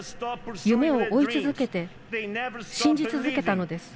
夢を追い続けて信じ続けたのです。